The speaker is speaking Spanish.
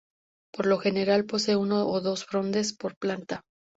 Por lo general posee uno o dos frondes por planta.